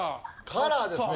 カラーですね。